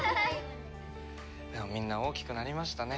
みんな大きくなりましたね。